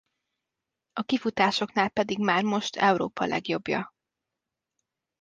A kifutásoknál pedig már most Európa legjobbja.